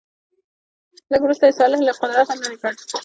لږ وروسته یې صالح له قدرته لیرې کړ.